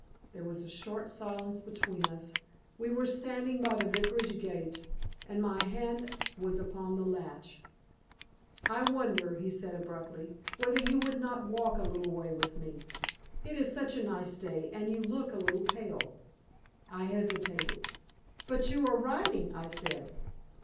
There was a short silence between us. We were standing by the Vicarage gate, and my hand was upon the latch. "I wonder," he said, abruptly, "whether you would not walk a little way with me. It is such a fine day, and you look a little pale." I hesitated. "But you are riding," I said.